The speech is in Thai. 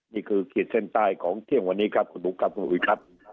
นี่คือขีดเส้นใต้ของเที่ยงวันนี้ครับคุณลุกครับคุณหุวิครับ